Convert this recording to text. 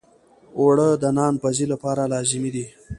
اوړه د نان پزی لپاره لازمي دي